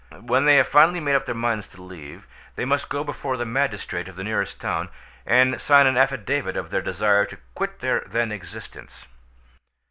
When they have finally made up their minds to leave, they must go before the magistrate of the nearest town, and sign an affidavit of their desire to quit their then existence.